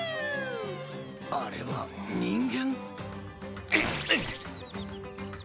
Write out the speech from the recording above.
あれは人間？